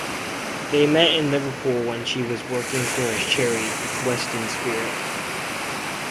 They met in Liverpool when she was working for his charity, Weston Spirit.